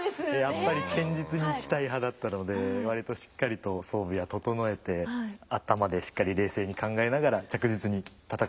やっぱり堅実にいきたい派だったので割としっかりと装備は整えて頭でしっかり冷静に考えながら着実に戦うようなプレイスタイルでした。